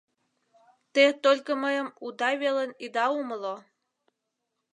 — Те только мыйым уда велын ида умыло.